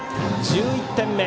１１点目。